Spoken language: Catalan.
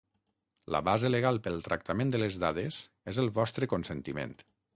La base legal pel tractament de les dades és el vostre consentiment.